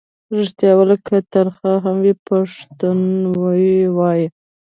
ریښتیا ویل که تریخ هم وي پښتون یې وايي.